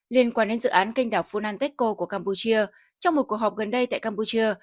liên quan đến dự án kênh đảo funanteko của campuchia trong một cuộc họp gần đây tại campuchia